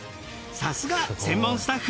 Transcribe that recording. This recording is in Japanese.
さすが専門スタッフ。